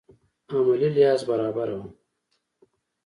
عملي لحاظ برابره وه.